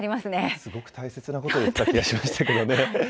すごく大切なことを言った気がしましたけどね。